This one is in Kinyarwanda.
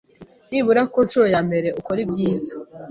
Nibura kuncuro yambere ukore ibyiza